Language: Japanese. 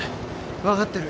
分かってる。